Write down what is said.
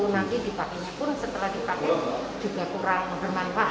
nanti dipakainya pun setelah dipakai juga kurang bermanfaat